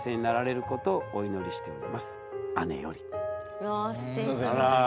うわすてき。